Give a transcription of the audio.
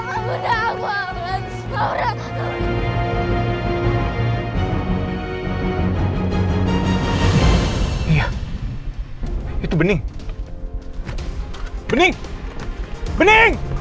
aku harus buang barang ini